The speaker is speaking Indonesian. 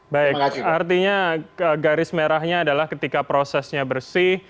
baik artinya garis merahnya adalah ketika prosesnya bersih